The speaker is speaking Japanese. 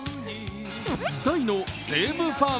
大の西武ファン。